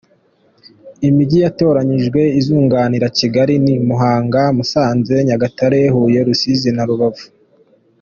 Imijyi yatoranyijwe izunganira Kigali ni Muhanga, Musanze, Nyagatare, Huye, Rusizi, na Rubavu.